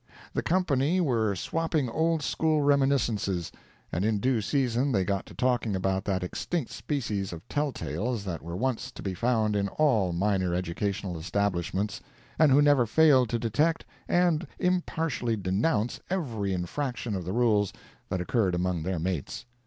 The company were swapping old school reminiscences, and in due season they got to talking about that extinct species of tell tales that were once to be found in all minor educational establishments, and who never failed to detect and impartially denounce every infraction of the rules that occurred among their mates.